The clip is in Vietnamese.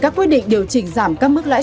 các quy định điều chỉnh giảm các mức lãi